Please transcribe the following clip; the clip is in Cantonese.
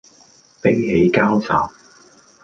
悲喜交集